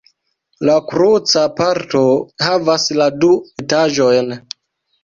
La kruca parto havas la du etaĝojn.